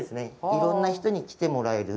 いろんな人に来てもらえる。